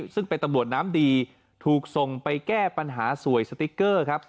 ซึ่งเป็นตำรวจน้ำดีถูกส่งไปแก้ปัญหาสวยสติ๊กเกอร์ครับ